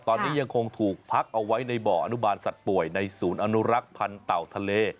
ตอนนี้ยังคงถูกพักเอาไว้ในบ่ออนุบาลสัตว์ป่วยในศูนย์อนุรักษ์พันธ์เต่าทะเล